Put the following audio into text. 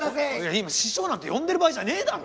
今師匠なんて呼んでる場合じゃねえだろ！？